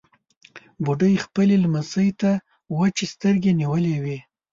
بوډۍ خپلې لمسۍ ته وچې سترګې نيولې وې.